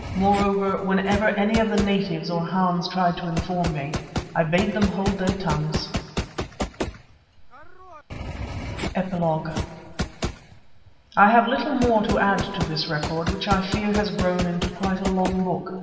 Moreover, whenever any of the natives or Hans tried to inform me, I bade them hold their tongues. EPILOGUE I have little more to add to this record, which I fear has grown into quite a long book.